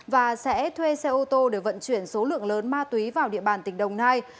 và sẽ thuê xe ô tô để vận chuyển số lượng lớn ma túy vào địa bàn tỉnh đồng nai